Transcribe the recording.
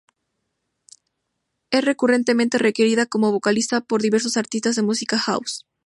Es recurrentemente requerida como vocalista por diversos artistas de música house.